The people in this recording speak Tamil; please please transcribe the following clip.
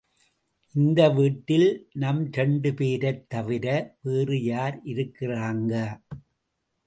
இந்த வீட்டில் நம் இரண்டு பேரைத் தவிர, வேறு யார் இருக்கிறாங்க?